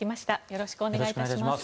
よろしくお願いします。